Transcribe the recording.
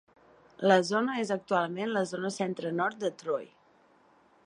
La zona és actualment la zona centre-nord de Troy.